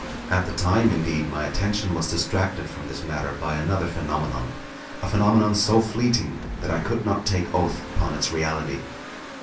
At the time, indeed, my attention was distracted from this matter by another phenomenon; a phenomenon so fleeting that I could not take oath upon its reality.